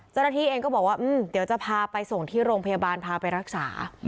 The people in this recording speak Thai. เจ้าหน้าที่เองก็บอกว่าเดี๋ยวจะพาไปส่งที่โรงพยาบาลพาไปรักษา